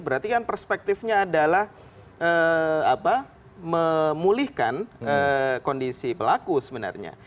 berarti kan perspektifnya adalah memulihkan kondisi pelaku sebenarnya